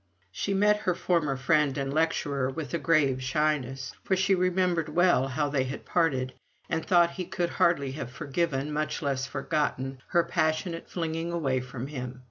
She met her former friend and lecturer with a grave shyness, for she remembered well how they had parted, and thought he could hardly have forgiven, much less forgotten, her passionate flinging away from him.